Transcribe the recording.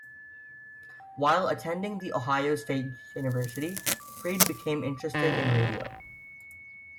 While attending the Ohio State University, Freed became interested in radio.